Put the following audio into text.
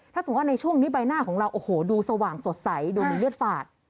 ถ้าสมมุติว่าในช่วงนี้ใบหน้าของเราโอ้โหดูสว่างสดใสดูมีเลือดฝาด